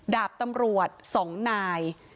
ดาบตำรวจ๒นาย